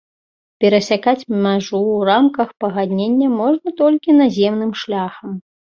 Перасякаць мяжу ў рамках пагаднення можна толькі наземным шляхам.